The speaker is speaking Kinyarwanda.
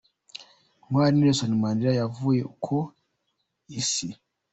Intwari Nelson Mandela yavuye ku Isi.